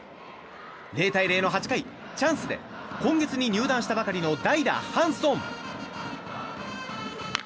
０対０の８回チャンスで今月に入団したばかりの代打、ハンソン。